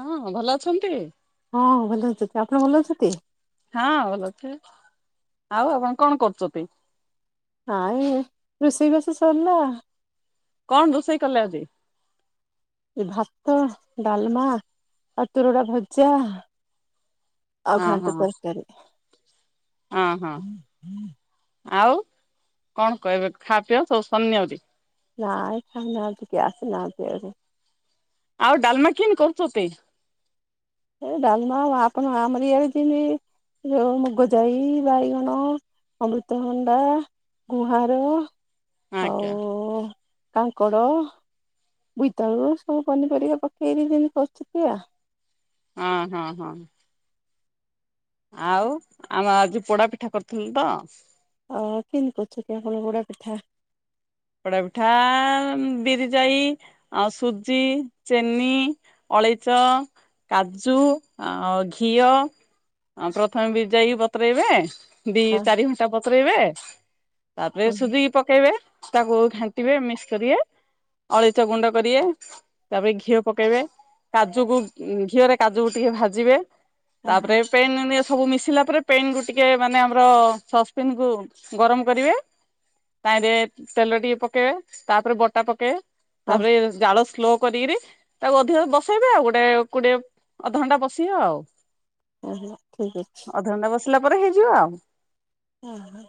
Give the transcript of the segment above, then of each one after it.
ହଁ ଭଲ ଅଛନ୍ତି? ହଁ ଭଲ ଅଛି ଆପ ଭଲ ଅଛନ୍ତି? ହଁ ଭଲ ଅଛି ଆଉ ଆପଣ କଣ କରୁଚତି? ନାଇଁ ରୋଷେଇ ବାସ ସରିଲା? କଣ ରୋଷେଇ କଲ ଆଜି? ଭାତ ଡାଲମା ଆଉ ତୁରୁଡା ଭଜା ଆଉ ହଁ ହଁ ଘଣ୍ଟା ତରକାରି। ହଁ ହଁ ଆଉ କଣ କହିବେ ଖା ପିଅ ସବୁ ସରନି ଆଉରି। ନାଁ ଖାଇ ନାନ୍ତି କିଏ ଆସି ନାଆନ୍ତି ଆଉରି। ଆଉ ଡାଲମା କିନ୍ତି କରୁଚତି? ଏ ଡଲମା ଆପରେ ଆମରି ଇଆଚିନ୍ତି ଯିନ୍ତି। ଯଉ ମୁଗଜାଇ, ବାଇଗଣ, ଅମୃତଭଣ୍ଡା ଗୁହାଁର ଆଜ୍ଞା ଆଉ କାଙ୍କଡ଼। ବୁଇତାଳୁ ସବୁ ପନିପରିବା ପକେଇକି ଯେମିତି କରୁଚତି ଆ ଅ ହଁ ହଁ। ଆଉ ଆମ ଆଜି ପୋଡା ପିଠା କରିୁଥିଲୁ ତ। ଅ କିନ୍ତି କରୁଚତି ଆପଣ ବୋଡ ପିଠା। ପୋଡା ପିଠା ଆଁ ବିରି ଯାଇ ଆଉ ସୁଜି ଚେନି ଅଳେଇଚ କାଜୁ ଆଉ ଘିଅ ଆ ପ୍ରଥମେ ବିରି ଯାଇକି ବତରେଇବେ। ଦି ହଁ ଚାରି ଘଣ୍ଟା ବତରେଇବେ ତାପରେ ହଁ ସୁଜିକି ପକେଇବେ। ତାକୁ ଘାଟିବେ ମିକ୍ସ କରିଏ ଅଳିଚ ଗୁଣ୍ଡ କରିଏ। ତାପରେ ଘିଅ ପକେଇବେ କାଜୁକୁ ଉ ଘିଅରେ କାଜୁକୁ ଟିକେ ଭାଜିବେ। ହଁ ତାପରେ ପେନ୍ ସବୁ ମିଶିଲା ପରେ ପେନ୍ କୁ ଟିକେ ମାନେ ଆମର ସସ୍ପେନ୍ କୁ ଗରମ କରିବେ ତାଇଁରେ ତେଲ ଟିକେ ପକେଏ ତାପରେ ବଟା ପକେଏ ହଁ ତାପରେ ଜାଳ ସ୍ଲୋ କରିକିରି ତାକୁ ଅଧିକ ବସେଇବେ ଆଉ ଗୋଟେ କୋଡିଏ ଅଧ ଘଣ୍ଟା ବସିଅ ଆଉ। ଓହୋ ଠିକ ଅଛି। ଅଧଘଣ୍ଟା ବସିଲା ପରେ ହେଇଯିବ ଆଉ। ଓ ହୋ।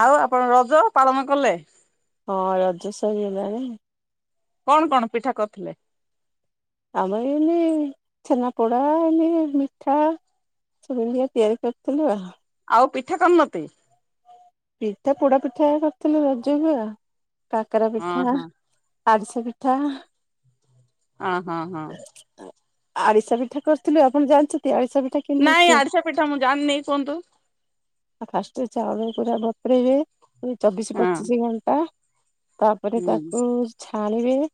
ଆଉ ଆପଣ ରଜ ପାଳନ କଲେ? ହଁ ରଜ ସଇ ଗଲାଣି। କଣ କଣ ପିଠା କରଥିଲେ? ଆମ ଏଇନି ଛେନାପୋଡ଼ା ଏନି ମିଠା। ଇନ୍ତିଆ ତିଆରି କରିଥିଲୁ ଆଉ। ଆଉ ପିଠା କନତି? ଏତ ପପୋଡା ପିଠା କରିଥିଲି ରଜକୁ ଆଉ କାକରା ହଁ ହଁ ପିଠା। ଆଡିସା ପିଠା। ଅ ହଁ ହଁ। ଆ ଆରିଶା ପିଠା କରିଥିଲୁ ଆପଣ ଜାଣିଛନ୍ତି ଆରିଶା ପିଠା। କେମିତି ନାଇଁ ହଉଛି ଆଡ଼ିସା ପିଠା ମୁଁ ଜାଣିନି କୁଅନ୍ତୁ। ଆ ଫାଷ୍ଟେ ଚାଉଳ ପୁରା ବତରେଇବେ ଚବିସି ହଁ ପଚିଶି ଘଣ୍ଟା। ତାପରେ ହୁଁ ତାକୁ ଛାଣିବେ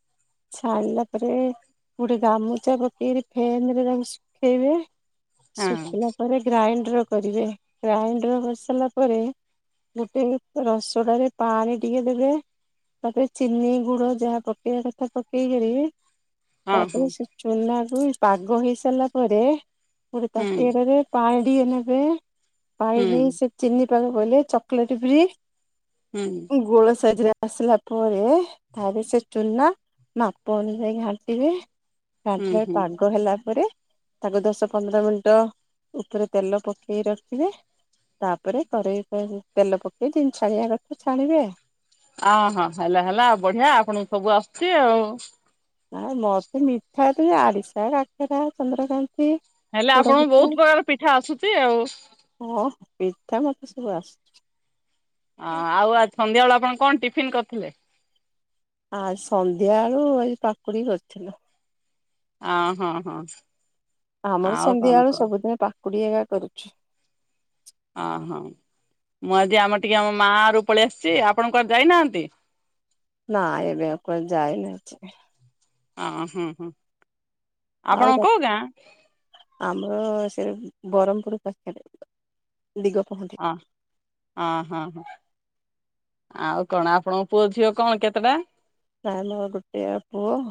ଛନିଲା ପରେ ଗୋଟେ ଗାମୁଚା ପକେଇି ଫେନ ରେ ତାକୁ ଶୁଖେଇବେ ହଁ ଶୁଖିଲା ପରେ ଗ୍ରାଇଣ୍ଡର କରିବେ ଗ୍ରାଇଣ୍ଡର କରିସାରିଲା ପରେ ଗୋଟେ ରସଡରେ ପାଣି ଟିକେ ଦେଲେ ତାପରେ ଚିନି ଗୁଡ ଯାହା ପକେଇବା କଥା ପକେଇକରି ହଁ ତାପରେ ସେ ଚୁନା କୁ ପାଗ ହେଇ ସାରିଲା ପରେ ଗୋଟେ ହଁ ହୁଁ ତାତିଆ ଆଡରେ ପଣ୍ଡିଏ ନେବେ ହୁଁ ପାଇନେଇ ସେ ଚିହ୍ନି ପାଗ କଲେ ସେ ଚକଲେଟି ଭି ରଡ଼ି ନେଇ ସେ ଚିନି ପାକ ପହିଲେ ଚକୋଲେଟ୍ ବିି ହୁଁ। ଗୋଳ ସାଜରେ ଆସିଲା ପରେ ତାର ସେ ଚୁନା ମାପ ଅନୁଯାୟୀ ଘାଣ୍ଟିବେ ହୁଁ ଘାଣ୍ଟିଲେ ହୁଁ ପାଗ ହେଲା ପରେ ତାକୁ ଦଶ ପନ୍ଦର ମିନିଟ ଉପରେ ତେଲ ପକେଇ ରଖିବେ। ତାପରେ କରେଇ ତେଲ ପକେଇ ଦିନି ଛାଣିବା କଥା ଛାଣିବେ ଆଉ। ଅହଁ ହେଲା ହେଲା ଆଉ ବଢିଆ ଆପଣଙ୍କୁ ସବୁ ଆସୁଛି ଆଉ। ନା ମତେ ମିଠା ତ ଆଡିଶା, କାକରା, ଚନ୍ଦ୍ରକାନ୍ତି। ହେଲେ ପୋଡ ଆପଣଙ୍କୁ ପିଠା ବହୁତ ପ୍ରକାର ପିଠା ଆସୁଛି ଆଉ। ହଁ ପିଠା ମତେ ସବୁ ଆସୁଛି। ଅଁ ଆଉ ଆଜ ସନ୍ଧ୍ୟାବେଳେ ଆପଣ କଣ ଟିଫିନ୍ କରିଥିଲେ? ଆ ସନ୍ଧ୍ୟା ବେଳୁ ଏ ପାକୁଡି କରିଥିଲୁ। ଆଁ ହୋ ହଁ। ଆମର ଆଉ ସନ୍ଧ୍ୟା କଣ ବେଳୁ କଣ ସବୁଦିନ ପାକୁଡି ଏଗା କରୁଛି। ଅହୋ ମୁଁ ଆଜି ଆମର ଟିକେ ଆମ ମା ର ପଳେଇ ଆସିଛି ଆପଣଙ୍କଣ ଯାଇନାହାନ୍ତି? ନା ଏବେ ଆଉ କୁଆଡେ ଯାଇନି ଅଛି। ଅ ହୁଁ ହୁଁ ଆଉ ଆପଣଙ୍କ କଉ ଗାଁ? ଆମର ସେ ବ୍ରରହ୍ମପୁର ପାଖରେ ଦିଗ ପହଣ୍ଡି। ହଁ ଆଁ ହଁ ହଁ। ଆଉ କଣ ଆପଣଙ୍କ ପୁଅ ଝିଅ କଣ କେତେଟା? ପ୍ରାଇମର ଗୋଟେ ପୁଅ୍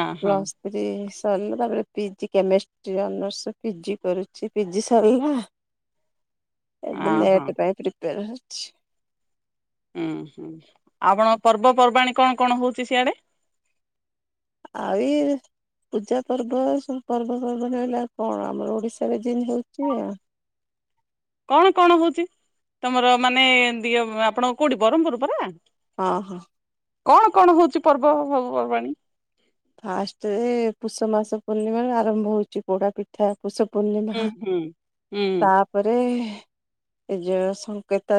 ଅ ହଁ ପ୍ଲସ ପ ସରିଲା ତାପରେ ପିଜି କେମିଷ୍ଟି ର୍ ପିଜି କରୁଛି ପିଜି ସରିଗଲା। ହ [inaudible] ଏବେ ଲେଟ ପାଇଁ ପ୍ରିପେୟର ହୋଇଛି। ଉୁଁ ହୁଁ ଆଉପଣ ପର୍ବପର୍ବାଣି କଣ କଣ ହଉଛି ସିଆଡେ? ଆଉ ଏ ପୂଜା ପର୍ବ ସବୁ ପର୍ବ ପର୍ବଣୀ ହେଲା କଣ ଆମର ଓଡିଶା ଜିନ ହେଉଛି ଆଉ? [inaudible] କଣ କଣ ହଉଛି ତମର ମାନେ ଦି ଆପଣଙ୍କ କୋଉଠି ବ୍ରରହ୍ମପୁର ପରା? ହଁ ହଁ। କଣ କଣ ହଉଛି ପର୍ବ ସବୁ ପର୍ବାଣୀ? ଫାଷ୍ଟରେ ପୁଷ ମାସ ପୂର୍ଣ୍ଣିମା ଆରମ୍ଭ ହଉଛି ପୋଡା ପି ଠା ପୁଷ ହୁଁ ପୂର୍ଣ୍ଣିମା। ହୁଁ ହୁଁ ତାପରେ ଏ ଯେ ସଙ୍କେତ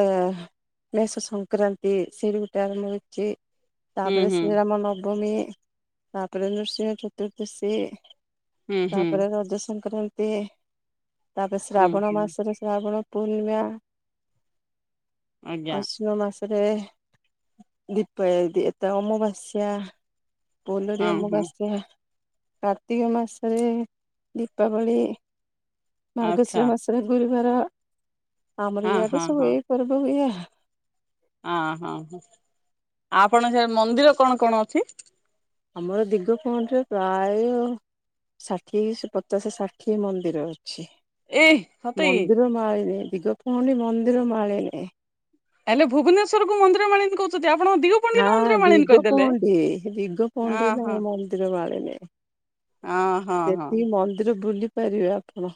ମେଷ ସଂକ୍ରାନ୍ତି ସେଇଠୁ ଗୋଟେ ଆରମ୍ଭ ହେଇଛି, ହୁଁ ତାପରେ ହୁଁ ଶ୍ରୀରାମ ନବମୀ। ତାପରେ ନୃସିଂହ ଚତୁର୍ଦ୍ଦଶୀ, ହୁଁ ହୁଁ ତାପରେ ରଜ ସଂକ୍ରାନ୍ତି। ତାପରେ ହୁଁ ଶ୍ରାବଣ ହୁଁ ମାସରେ ଶ୍ରାବଣ ପୂର୍ଣ୍ଣିମା। ଆଜ୍ଞା ଅଶ୍ୱିନ ମାସରେ ଦୀପ ଏ କି ଏତେ ଅମାବାସ୍ୟା। ବୋଲରି ହଁ ହଁ ଅମାବାସ୍ୟା। କାର୍ତ୍ତିକ ମାସରେ ଦୀପାବଳି, ଆଚ୍ଛା ମାର୍ଗଶିର ମାସ ତାରେ ଗୁରୁବାର ଆମର ହଁ ଇଆଡେ ହଁ ସବୁ ଏଇ ପର୍ବ ହୁଏ ଆଉ। ଅ ହଁ ହଁ ଆ ଆପଣ ସେ ମନ୍ଦିର କଣ କଣ ଅଛି? ଆମର ଦିଗ ପହଣ୍ଡିରେ ପ୍ରାୟ ଷାଠିଏଶ ପଚାଶ ଷାଠିଏ ମନ୍ଦିର ଅଛି। ଏ ସତେ କି ମନ୍ଦିର ମାଳିନି ଦିଗ ପହଣ୍ଡି ମନ୍ଦିର ମାଳିନି। ହେଲେ ଭୁବନେଶ୍ୱର କୁ ମନ୍ଦିରମାଳିନି କହୁଛନ୍ତି। ଆପଣ ଦିଗ ହଁ ଦିଗ ପହଣ୍ଡି ଦିଗ ହଁ ପହଣ୍ଡି ହେଲା ହଁ ମନ୍ଦିର ମାଳିନୀ। ହଁ ହଁ ହଁ ଯେତିକି ମନ୍ଦିର ବୁଲି ପାରିବେ ଆପଣ।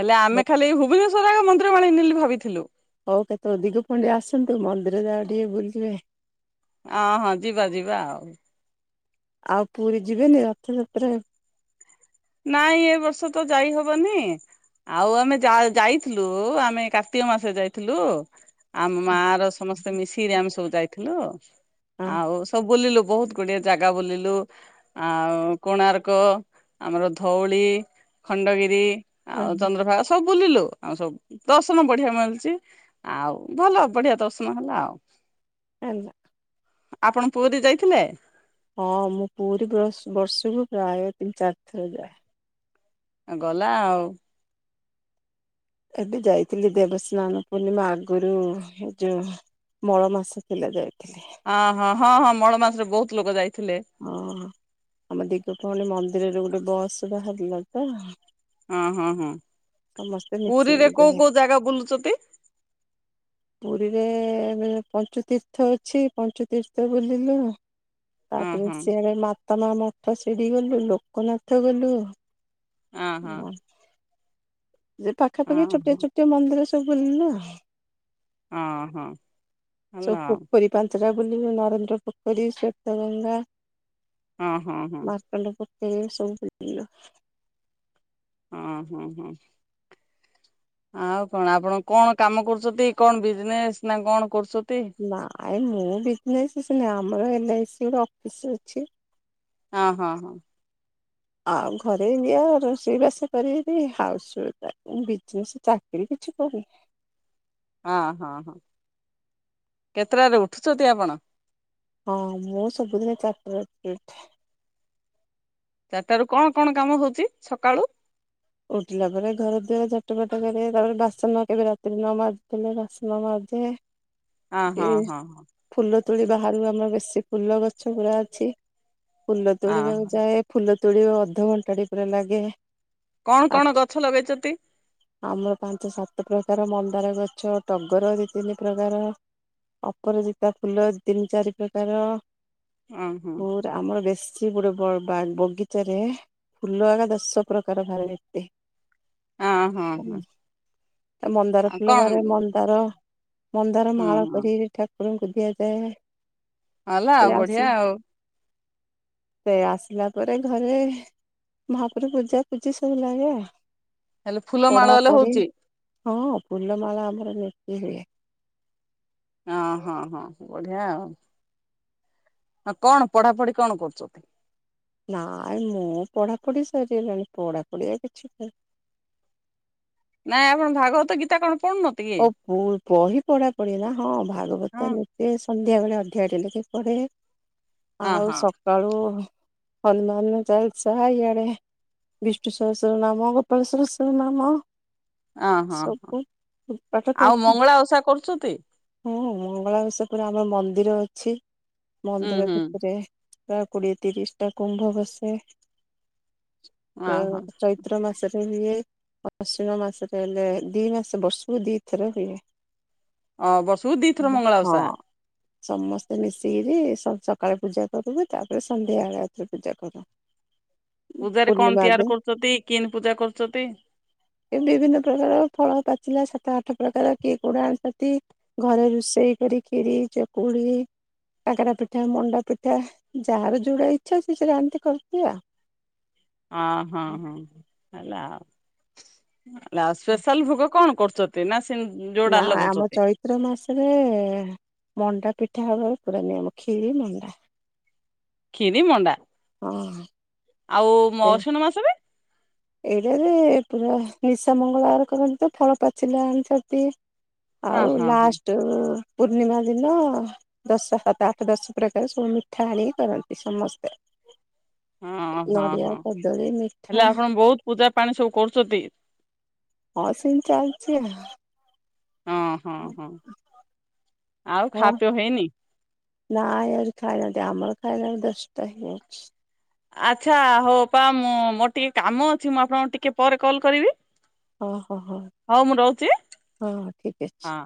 ହେଲେ ଆମେ ଖାଲି ଭୁବନେଶ୍ୱର ଆ ମନ୍ଦିରମାଳିନି ହେଲେ ବୋଲି ଭାବିଥିଲୁ। ହଉ କେତେବେଳେ ଦିଗ ପଡିଆ ଆସନ୍ତୁ ମନ୍ଦିର ଯାଗା ଟିକେ ବୁଲିବେ। ଅଁ ହଁ ଯିବା ଯିବା ଆଉ। ଆଉ ପୁରୀ ଯିବେନି ରଥଯାତ୍ରାରେ। ନାଇଁ ଏ ବର୍ଷ ତ ଯାଇ ହବନି। ଆଉ ଆମେ ଯାଇଥିଲୁ ଆମେ କାର୍ତ୍ତିକ ମାସ ଯାଇଥିଲୁ। ଆମ ମା ର ସମସ୍ତେ ମିଶିକି ଆମେ ସବୁ ଯାଇଥିଲୁ ଆଉ। ସବୁ ବୁଲିଲୁ ବହୁତ ଗୁଡିଏ ଜାଗା ବୁଲିଲୁ ଆଉ କୋଣାର୍କ। ଆମର ଧଉଳି ଖଣ୍ଡଗିରି ହଁ ଆଉ ଚନ୍ଦ୍ରଭାଗା। ସବୁ ବୁଲିଲୁ ଆଉ ସବୁ ଦର୍ଶନ ବଢିଆ ମିଳୁଛି। ଆଉ ଭଲ ବଢିଆ ଦର୍ଶନ ହେଲା ଆଉ। ଆ। ଆପଣ ପୁରୀ ଯାଇଥିଲେ। ହଁ ମୁଁ ପୁରୀ ବର୍ଷକୁ ପ୍ରାୟ ତିନି ଚାରି ଥର ଯାଏ। ଗଲା ଆଉ। ଏବେ ଯାଇଥିଲି ଦେବସ୍ନାନ ପୂର୍ଣ୍ଣିମା ଆଗରୁ ଏ ଯୋଉ। ମଳ ମାସ ଥିଲା ଯାଇଥିଲି। ଅ ହଁ ହଁ ହଁ ମଳ ମାସରେ ବହୁତ ଲୋକ ଯାଇଥିଲେ। ହଁ ଆମ ଦିଗପହଳି ମନ୍ଦିରରେ ଗୋଟେ ବସ୍ ବାହାରିଲା ତ। ହଁ ହଁ ହଁ ସମସ୍ତେ ପୁରୀରେ ମିଶିକି କୋଉ ଯାଏ କୋଉ ଜାଗା ବୁଲୁଚଟି। ପୁରୀରେ ପଞ୍ଚୁତୀର୍ଥ ଅଛି ପଞ୍ଚୁତୀର୍ଥ ବୁଲିଲୁ। ହଁ ତାପରେ ହଁ ସିଆଡେ ମାତା ମା ମଠ ସେଠି ଗଲୁ ଲୋକନାଥ ଗଲୁ। ହଁ ହଁ ହୁଁ। ଯେ ପାଖାପାଖି ହଁ ଛୋଟିଆ ହଁ ଛୋଟିଆ ମନ୍ଦିର ସବୁ ବୁଲିଲ ଆଉ। ହଁ ହଁ ହନା। ପାଞ୍ଚରା ବୋଲିଲୁ ନରେନ୍ଦ୍ର ପୋଖରୀ ଶେତ ଗଙ୍ଗା। ହଁ ହଁ ହଁ। ଅଣ୍ଡପତ ସବୁ ବୁଲିଲୁ ହଁ ହଁ ହଁ। ଆଉ କଣ ଆପଣ କଣ କାମ କରୁଛନ୍ତି କଣ ବିଜନେସ ନା କଣ କରୁଛନ୍ତି। ନାଇ ମୁଁ ବିଜନେସ୍ ଆମର ଏଲ ଆଇ ସି ର ଅଫିସର ଅଛି। ହ ହଁ ହଁ। ଆଉ ଘରେ ବିଆ ରୋଷେଇବାସ କରିନୀ ହାଉସ୍ୱ ବିଜନେସ୍ ଚାକିରି କିଛି କରୁନି। ହଁ ହଁ ହଁ କେତେଟାରେ ଉଠୁଛନ୍ତି ଆପଣ। ହଁ ମୁଁ ସବୁଦିନ ଚାରିଟା ରାତିରୁ ଉଠେ। ଚାଟାରୁ କଣ କଣ କାମ ହଉଛି ସକାଳୁ। ଉଠିଲା ପରେ ଘର ଦ୍ୱଆରେ ଝଟ ବାଟ କର ତାପରେ ବାସନ କେବେ ରାତିରେ ନ ମାଜିଥିଲେ ବାସନ ମାଜେ। ହଁ ଏ ହଁ ହଁ ହ। ଫୁଲ ତୋଳି ବାହାରୁ ଆମର ବେଶୀ ଫୁଲ ଗଛ ପୁରା ଅଛି ଫୁଲ ତୋଳିବାକୁ ହଁ ଯାଏ। ଫୁଲ ତୋଳିବା ଅଧଘଣ୍ଟାଟି ପୁରା ଲାଗେ। କଣ ଆ କଣ ଗଛ ଲଗେଇଛନ୍ତି। ଆମର ପାଞ୍ଚ ସାତ ପ୍ରକାର ମନ୍ଦାର ଗଛ ଟଗର ଦି ତିନି ପ୍ରକାର। ଅପରାଜିତା ଫୁଲ ତିନି ଚାରି ପ୍ରକାର। ହଁ ହଁ। ପୁରା ଆମର ବେଶୀ ଗୋଟେ ବଗିଚାରେ ଫୁଲ ଏକା ଦଶ ପ୍ରକାର ଭାରେ। ହଁ ହଁ ହଁ ମନ୍ଦାର ଆଉ କଣ ଫୁଲ ଘରେ ମନ୍ଦାର ମନ୍ଦାର ହୁଁ ମାଳ ହୁଁ କରି ଠାକୁରଙ୍କୁ ଦିଆଯାଏ। ହେଲା ସେ ଆସି ବଢିଆ ଆଉ। ସେ ଆସିଲା ପରେ ଘରେ ମହାପ୍ରଭୁ ପୂଜା ପୂଜି। ସବୁ ଲାଗେ ହେଲେ ଫୁଲ ମାଳ ହେଲେ ପଢାପଢି। ହଉଛି ହଁ ଫୁଲମାଳ ଆମର ବିକ୍ରି ହୁଏ। ହଁ-ହଁ-ହଁ ବଢିଆ ଆଉ। ଆଉ କଣ ପଢାପଢି କଣ କରୁଚ? ନାଇଁ ମୋ ପଢାପଢି ସରିଗଲାଣି ପଢାପଢି ଆଉ କିଛି ନାହିଁ। ନାଇଁ ଆପଣ ଭାଗବତ ଗୀତା କଣ ପଢୁନ? ଓ ବହି ପଢାପଢି ନା ହଁ, ଭାଗବତ ହଁ ଏ ସନ୍ଧ୍ୟା ବେଳେ ଅଧିକା ଡେଲି ଟିକେ ପଢେ ହଁ ଆଉ ସ ହଁ କାଳୁ ହନୁମାନ ଚାଳିଶିଆ ଇଆଡେ ବିଷ୍ଣୁ ସହସ୍ର ନାମ, ଗୋପାଳ ସହସ୍ର ନାମ ଆ ହଁ-ହଁ। ଏଇ ପାଠ [unintelligible] ହଁ ମଙ୍ଗଳା ବି ସେପଟେ ଆମର ମନ୍ଦିର ଅଛି, ହୁଁ ମନ୍ଦିର ହୁଁ ଭିତେରେ ପ୍ରାୟ କୋଡିଏ ତିରିଶ ଟା କୁମ୍ଭ ବସେ, ହଁ ପ୍ର ହଁ ଚୈତ୍ର ମା ସ ରେ ହୁଏ, ଆଶ୍ୱିନ ମାସରେ ହେଲେ ଦି ମାସେ [unintelligible] କୁ ଦି ଥର ହୁଏ ଅ ବର୍ଷକୁ ଦିଥର ମଙ୍ଗଳା ଓଷା ହଁ। ସମସ୍ତେ ମିଶିକିରି ସ ସକାଳେ ପୂଜା କରୁ ବି, ତାପରେ ସନ୍ଧ୍ୟା ବେଳେ ଆଉ ଥରେ ପୂଜା କରୁ। ପୂଜାରେ କଣ ପୂର୍ଣ୍ଣିମା ତିଆର ଦିନ କରୁଚତି କିନ ପୂଜା କରୁଚତି? ଏ ବିଭିନ୍ନ ପ୍ରକାର ଫଳ ପାଚିଲା ସା ତ ଆଠ ପ୍ରକାର କିଏ କୋଉଟା ଆଣୁଚତି, ଘରେ ରୋଷେଇ କରିକିରୀ ଚକୁଳି କାକେରା ପିଠା ମଣ୍ଡା ପିଠା ଯାହାର ଯଉଟା ଇଚ୍ଛା ସେ ସେଟା ଆଣିତି [unintelligible] ଆଉ। ଅ ହଁ-ହଁ ହେଲା ଆଉ, ଆଉ ସ୍ପେଶାଲ୍ ଭୋଗ କଣ କରୁଚ ନ୍ତି ନା ସେମ୍ ନା ଆମ ଚୈ ତ୍ର ମାସେରେ ମଣ୍ଡା ପିଠା ହବ ପୁରା ନିୟମ ଖିରୀ ମଣ୍ଡା। ଖିରି ମଣ୍ଡା। ହଁ। ଆଉ ମସୁନୁ ମାସରେ? ଏଇଟାରେ ପୁରା ନିଶା ମଙ୍ଗଳବାର କରନ୍ତି ତ ଫାଳ ପାଚିଲା [unintelligible] ହଁ ଆଉ ହଁ ହଁ ଲାଷ୍ଟ ପୂର୍ଣ୍ଣିମା ଦିନ ଦଶ ସାତ ଆଠ ଦଶ ପ୍ରକାର ସବୁ ମିଠା ଆଣିକି କରନ୍ତି ସମସ୍ତେ। ହଁ-ହଁ-ହଁ ନଡିଆ କଦଳୀ ମିଠା ହେଲେ ଆପଣ ବହୁତ୍ ପୂଜା ପାଣି ସବୁ କରୁଚତି। ହଁ ସେମ୍ତି ଚାଲଚି ଆଉ। ହଁ-ହଁ ଆଉ ଖା ପେଅ ହେଇନି? ନାଇଁ ଆଜି ଖାଇନାହାନ୍ତି ଆମର ଖାଇଲା ବେଳକୁ ଦଶଟା ହେଇଯାଉଛି। ଆଚ୍ଛା ହଉ ଅପା ମୁଁ ମୋର ଟିକେ କାମ ଅଛି ମୁଁ ଆପଣଙ୍କୁ ଟିକେ ପରେ କଲ୍ କରିବି। ଓହୋହୋ ହଉ ମୁଁ ରହୁଛି ହଁ ଠିକ୍ ଅଛି। ହଁ।